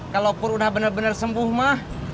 kalau pur udah bener bener sembuh mah